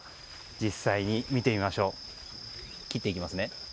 実際に見てみましょう。